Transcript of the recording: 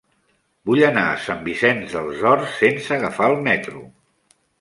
Vull anar a Sant Vicenç dels Horts sense agafar el metro.